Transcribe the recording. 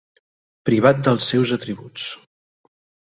Privat dels seus atributs.